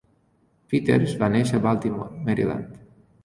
Peters va néixer a Baltimore, Maryland.